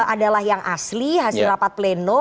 adalah yang asli hasil rapat pleno